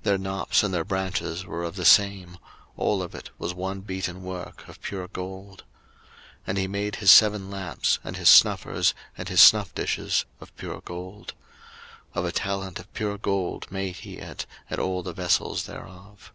02:037:022 Their knops and their branches were of the same: all of it was one beaten work of pure gold. 02:037:023 And he made his seven lamps, and his snuffers, and his snuffdishes, of pure gold. 02:037:024 Of a talent of pure gold made he it, and all the vessels thereof.